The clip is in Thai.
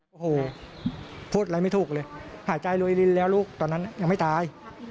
โอ้โหพูดอะไรไม่ถูกเลยหายใจรวยรินแล้วลูกตอนนั้นยังไม่ตาย